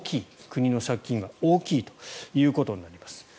国の借金が大きいということになります。